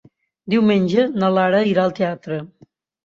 Diumenge na Lara irà al teatre.